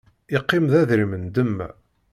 Iqqim d adrim n demma.